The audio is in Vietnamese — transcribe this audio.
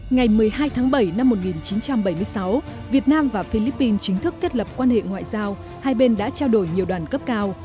ngày một mươi hai tháng bảy năm một nghìn chín trăm bảy mươi sáu việt nam và philippines chính thức thiết lập quan hệ ngoại giao hai bên đã trao đổi nhiều đoàn cấp cao